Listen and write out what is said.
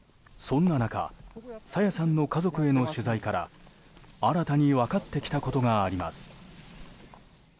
そんな中朝芽さんの家族への取材から新たに分かってきたことがあります。